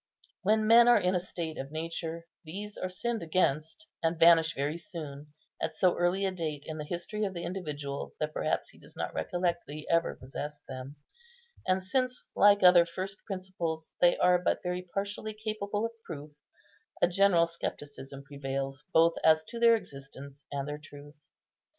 When men are in a state of nature, these are sinned against, and vanish very soon, at so early a date in the history of the individual that perhaps he does not recollect that he ever possessed them; and since, like other first principles, they are but very partially capable of proof, a general scepticism prevails both as to their existence and their truth.